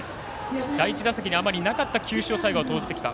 第１打席にあまりなかった球種を最後は投じてきた。